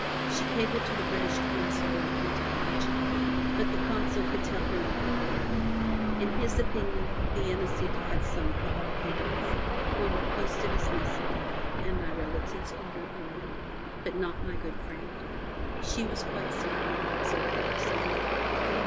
She cabled to the British Consul at Punta Concha, but the Consul could tell her nothing further. In his opinion, the Inesita had sunk with all hands. We were "posted as missing, and my relatives ordered mourning. But not my good friend. She was quite certain that I was alive somewhere.